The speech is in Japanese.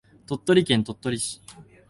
鳥取県鳥取市